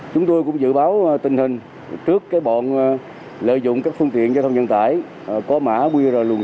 chúng tôi cũng dự báo tình hình trước bọn lợi dụng các phương tiện giao thông nhận tải có mã qr